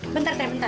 bentar teh bentar